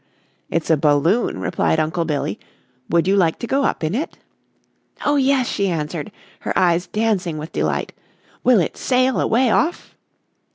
"It's a balloon," replied Uncle Billy. "Would you like to go up in it?" "Oh, yes," she answered, her eyes dancing with delight. "Will it sail away off?"